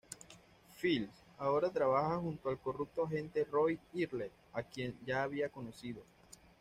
Phelps ahora trabaja junto al corrupto agente Roy Earle a quien ya había conocido.